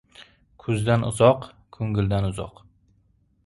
• Ko‘zdan uzoq — ko‘ngildan uzoq.